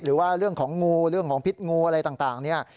หรือว่าเรื่องของงูเรื่องของพิษงูอะไรต่างเนี่ย